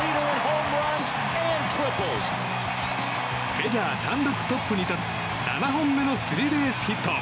メジャー単独トップに立つ７本目のスリーベースヒット！